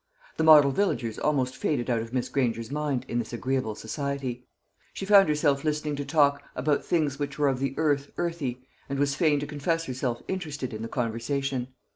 The model villagers almost faded out of Miss Granger's mind in this agreeable society. She found herself listening to talk about things which were of the earth earthy, and was fain to confess herself interested in the conversation.